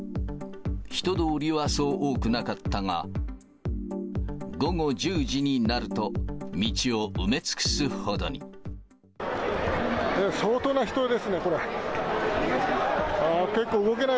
人通りはそう多くなかったが、午後１０時になると、道を埋め尽くすほどに。相当な人ですね、これ。